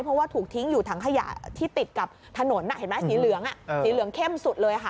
เพราะว่าถูกทิ้งอยู่ถังขยะที่ติดกับถนนเห็นไหมสีเหลืองสีเหลืองเข้มสุดเลยค่ะ